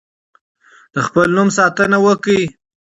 د خپل نوم ساتنه وکړئ.